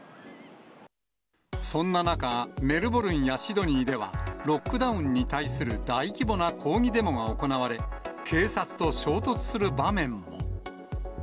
そんな中、メルボルンやシドニーでは、ロックダウンに対する大規模な抗議デモが行われ、警察と衝突する場面も。